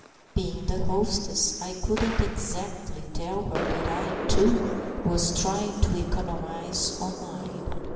Being the hostess, I couldn't exactly tell her that I, too, was trying to economise on mine.